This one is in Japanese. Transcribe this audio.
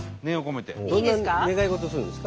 どんな願い事をするんですか？